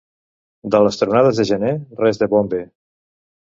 De les tronades de gener res de bo en ve.